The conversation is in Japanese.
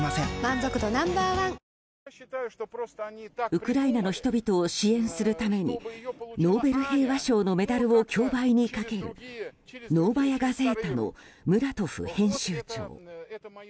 ウクライナの人々を支援するためにノーベル平和賞のメダルを競売にかけるノーバヤ・ガゼータのムラトフ編集長。